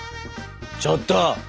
ちょっと！